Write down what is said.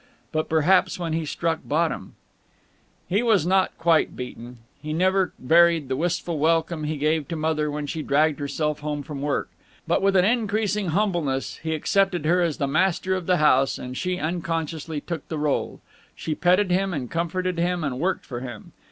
But perhaps when he struck bottom He was not quite beaten. He never varied in the wistful welcome he gave to Mother when she dragged herself home from work. But with an increasing humbleness he accepted her as the master of the house, and she unconsciously took the rôle. She petted him and comforted him and worked for him.